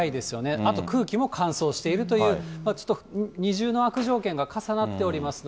あと空気も乾燥しているという、ちょっと二重の悪条件が重なっておりますので。